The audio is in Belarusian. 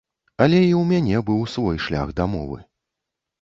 Але і ў мяне быў свой шлях да мовы.